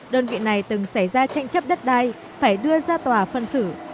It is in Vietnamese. đơn vị này từng xảy ra tranh chấp đất đai phải đưa ra tòa phân xử